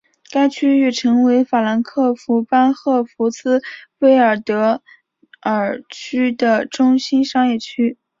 该区域成为法兰克福班荷福斯威尔德尔区的中心商业区。